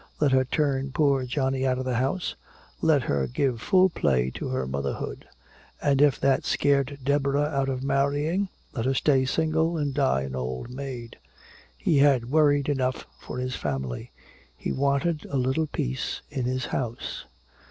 Let her turn poor Johnny out of the house, let her give full play to her motherhood. And if that scared Deborah out of marrying, let her stay single and die an old maid. He had worried enough for his family. He wanted a little peace in his house.